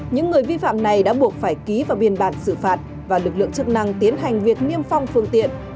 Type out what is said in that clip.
những người vi phạm này đã buộc phải ký vào biên bản xử phạt và lực lượng chức năng tiến hành việc niêm phong phương tiện